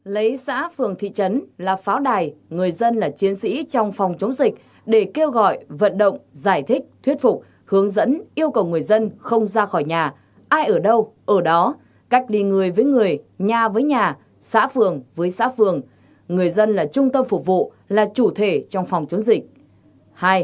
một lấy xã phường thị trấn là pháo đài người dân là chiến sĩ trong phòng chống dịch để kêu gọi vận động giải thích thuyết phục hướng dẫn yêu cầu người dân không ra khỏi nhà ai ở đâu ở đó cách đi người với người nhà với nhà xã phường với xã phường người dân là trung tâm phục vụ là chủ thể trong phòng chống dịch